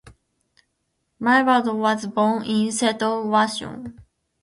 Myhrvold was born in Seattle, Washington.